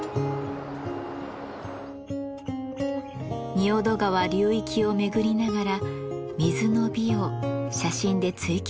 仁淀川流域を巡りながら水の美を写真で追求してきました。